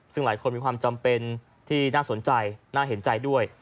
ซึ่งหลายคนมีความจำเป็นที่น่าสนใจน่าเห็นใจด้วย